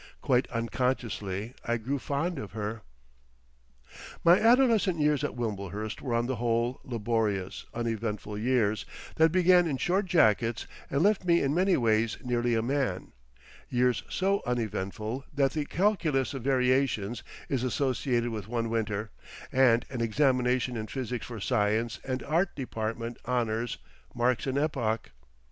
Quite unconsciously I grew fond of her.... My adolescent years at Wimblehurst were on the whole laborious, uneventful years that began in short jackets and left me in many ways nearly a man, years so uneventful that the Calculus of Variations is associated with one winter, and an examination in Physics for Science and Art department Honours marks an epoch.